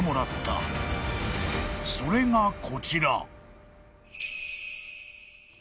［それがこちら］